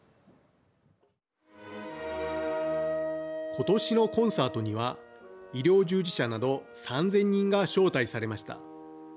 今年のコンサートには医療従事者など３０００人が招待されました。